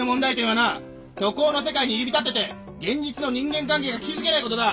はな虚構の世界に入り浸ってて現実の人間関係が築けないことだ。